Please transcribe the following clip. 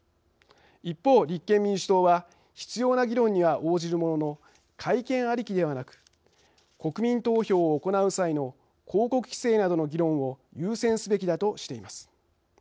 一方、立憲民主党は必要な議論には応じるものの改憲ありきではなく国民投票を行う際の広告規制などの議論を優先すべきだとしています。